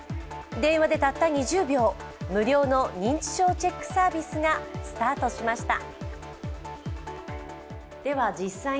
電話でたった２０秒無料の認知症チェックサービスがスタートしました。